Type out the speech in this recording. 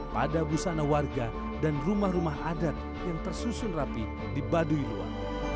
pada busana warga dan rumah rumah adat yang tersusun rapi di baduy luar